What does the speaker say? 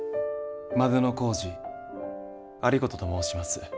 万里小路有功と申します。